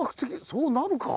そうなるか。